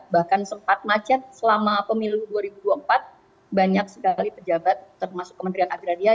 bahkan sempat macet selama pemilu dua ribu dua puluh empat banyak sekali pejabat termasuk kementerian agraria